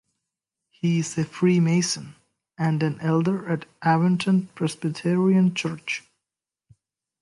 He is a freemason, and an elder at Avonton Presbyterian Church.